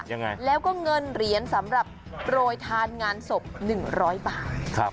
ยังไงแล้วก็เงินเหรียญสำหรับโปรยทานงานศพหนึ่งร้อยบาทครับ